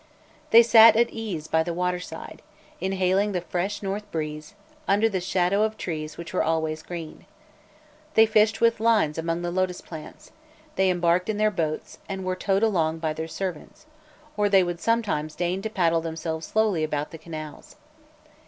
They sat at ease by the water side, inhaling the fresh north breeze, under the shadow of trees which were always green. They fished with lines among the lotus plants; they embarked in their boats, and were towed along by their servants, or they would sometimes deign to paddle themselves slowly about the canals.